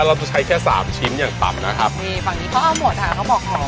เราจะใช้แค่สามชิ้นอย่างต่ำนะครับนี่ฝั่งนี้เขาเอาหมดค่ะเขาบอกอ๋อ